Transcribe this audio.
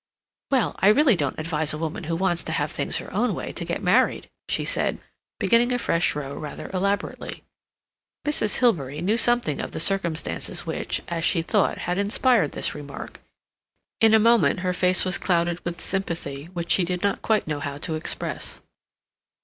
"Well, I really don't advise a woman who wants to have things her own way to get married," she said, beginning a fresh row rather elaborately. Mrs. Hilbery knew something of the circumstances which, as she thought, had inspired this remark. In a moment her face was clouded with sympathy which she did not quite know how to express.